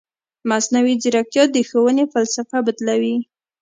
مصنوعي ځیرکتیا د ښوونې فلسفه بدلوي.